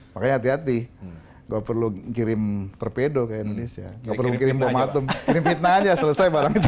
makanya hati hati nggak perlu kirim torpedo ke indonesia nggak perlu kirim bomatum kirim fitnah aja selesai barang itu